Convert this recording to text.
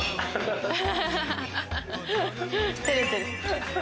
照れてる。